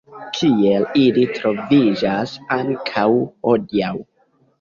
Kiel ili troviĝas ankaŭ hodiaŭ.